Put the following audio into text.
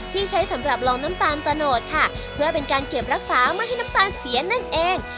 ที่ใช้สำหรับลองน้ำตาลตะโนดค่ะเพื่อเป็นการเก็บรักษาไม่ให้น้ำตาลเสียนั่นเอง